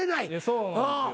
そうなんですよ。